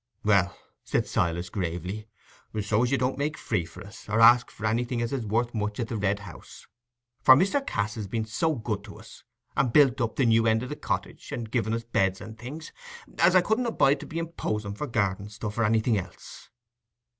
"Well," said Silas, gravely, "so as you don't make free for us, or ask for anything as is worth much at the Red House: for Mr. Cass's been so good to us, and built us up the new end o' the cottage, and given us beds and things, as I couldn't abide to be imposin' for garden stuff or anything else."